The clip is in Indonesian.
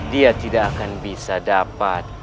dia tidak akan bisa dapat